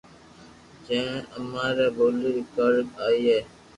جي اما ري ٻولي رآڪارڌ آئيئي